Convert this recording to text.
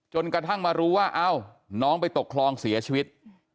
กระทั่งมารู้ว่าเอ้าน้องไปตกคลองเสียชีวิต